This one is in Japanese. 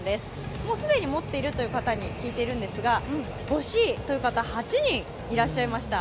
もう既に持っているという方に聞いているんですが欲しいという方、８人いらっしゃいました。